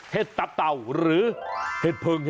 เห็ดตับเต่าหรือเห็ดเผิง